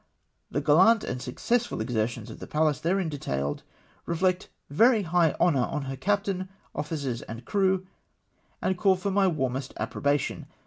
" The gallant and successful exertions of the Pallas therein detailed, reflect very high honour on her captain, officers and crew, and call for my warmest approbation.